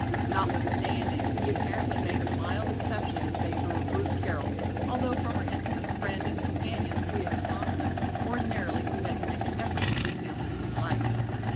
Notwithstanding, he apparently made a mild exception in favor of Ruth Carroll, although for her intimate friend and companion, Thea Thompson, ordinarily he had to make an effort to conceal his dislike.